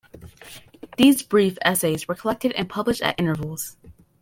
These brief essays were collected and published at intervals.